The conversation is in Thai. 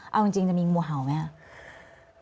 เอาจริงจะมีมัวเห่าไหม